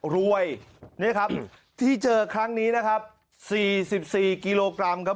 รวยนี่ครับที่เจอครั้งนี้นะครับ๔๔กิโลกรัมครับ